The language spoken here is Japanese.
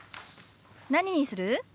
何にする？